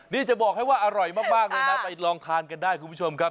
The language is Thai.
นี่จะบอกให้ว่าอร่อยมากเลยนะไปลองทานกันได้คุณผู้ชมครับ